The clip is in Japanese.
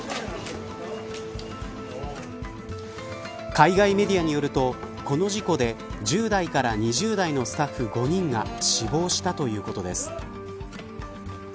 海外メディアによるとこの事故で、１０代から２０代のスタッフ５人が死亡したということです。